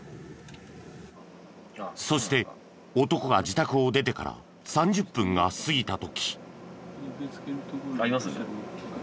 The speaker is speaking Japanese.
そして男が自宅を出てから３０分が過ぎた時。